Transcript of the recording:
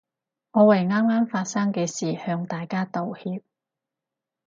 我為啱啱發生嘅事向大家道歉